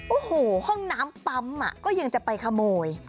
โอ้โหห้องน้ำปั๊มก็ยังจะไปขโมย